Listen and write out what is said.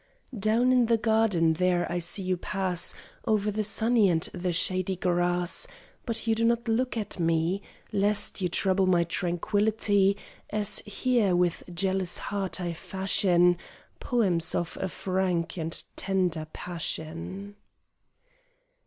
Down in the garden there I see you pass, Over the sunny and the shady grass; But you do not look at me, Lest you trouble my tranquillity, As here with jealous heart I fashion Poems of a frank and tender passion.